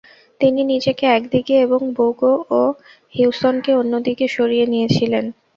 তিনি নিজেকে একদিকে এবং বৌগ ও হিউসনকে অন্যদিকে সরিয়ে নিয়েছিলেন।